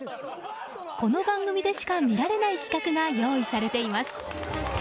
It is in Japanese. この番組でしか見られない企画が用意されています。